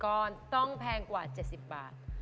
ก้อนต้องแพงกว่า๗๐บาท